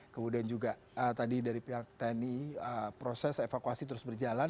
kemudian juga tadi dari pihak tni proses evakuasi terus berjalan